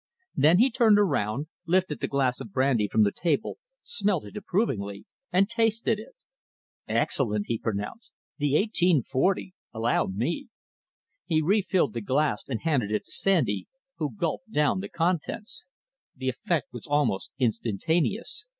Then he turned around, lifted the glass of brandy from the table, smelt it approvingly, and tasted it. "Excellent!" he pronounced. "The 1840. Allow me!" He refilled the glass and handed it to Sandy, who gulped down the contents. The effect was almost instantaneous.